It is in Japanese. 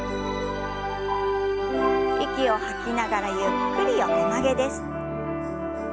息を吐きながらゆっくり横曲げです。